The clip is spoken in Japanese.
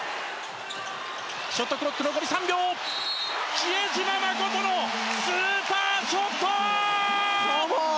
比江島慎のスーパーショット！